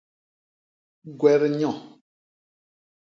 Gwet nyo.